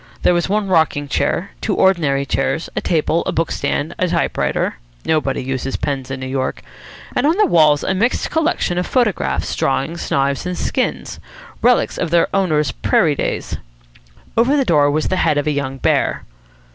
There was one rocking chair, two ordinary chairs, a table, a book stand, a typewriter nobody uses pens in New York and on the walls a mixed collection of photographs, drawings, knives, and skins, relics of their owner's prairie days. Over the door was the head of a young bear.